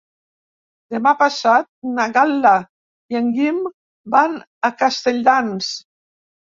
Demà passat na Gal·la i en Guim van a Castelldans.